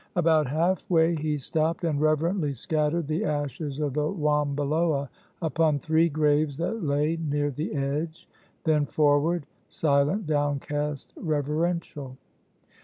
About half way he stopped and reverently scattered the ashes of the wambiloa upon three graves that lay near the edge, then forward silent, downcast, reverential.